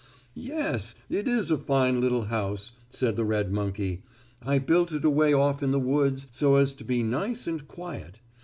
"Yes, it is a fine little house," said the red monkey. "I built it away off in the woods so as to be nice and quiet.